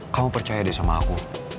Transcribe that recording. kamu percaya deh sama aku